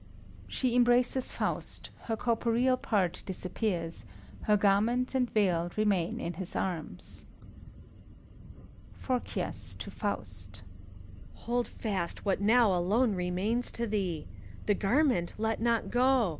(She embraces Faust: her corporeal part disappears ^ her garment and veil remain in his arms,) PHORKYAS (to Faust). Hold fast what now alone remains to thee f The garment let not go